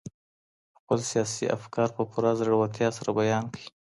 خپل سياسي افکار په پوره زړورتيا سره بيان کړئ.